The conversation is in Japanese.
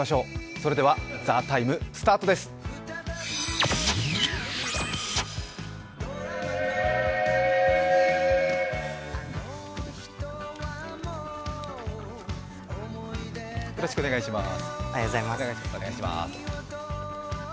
それでは、「ＴＨＥＴＩＭＥ，」スタートです。